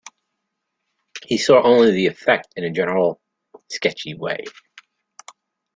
He saw only the effect in a general, sketchy way.